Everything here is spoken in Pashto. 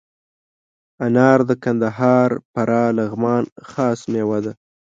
انار د کندهار، فراه، لغمان خاص میوه ده.